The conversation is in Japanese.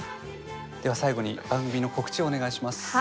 では最後に番組の告知をお願いします。